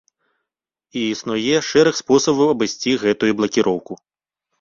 І існуе шэраг спосабаў абысці гэтую блакіроўку.